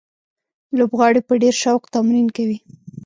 لوبغاړي په ډېر شوق تمرین کوي.